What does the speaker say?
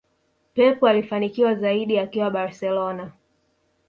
Pep alifanikiwa zaidi akiwa barcelona